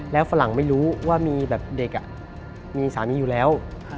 แล้วฝรั่งไม่รู้ว่ามีแบบเด็กมีสามีอยู่แล้ว